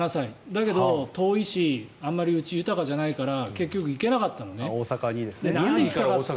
だけど、遠いしあまりうちは豊かじゃないから結局、行けなかったのね。